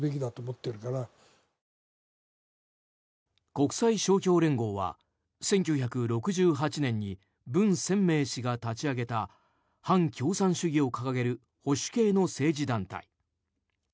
国際勝共連合は１９６８年にブン・センメイ氏が立ち上げた反共産主義を掲げる保守系の政治団体。